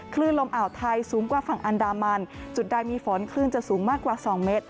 คลื่นลมอ่าวไทยสูงกว่าฝั่งอันดามันจุดใดมีฝนคลื่นจะสูงมากกว่า๒เมตร